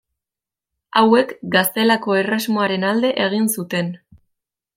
Hauek Gaztelako Erresumaren alde egin zuten.